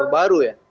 kantor baru ya